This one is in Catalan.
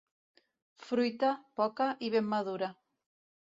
Fruita, poca i ben madura.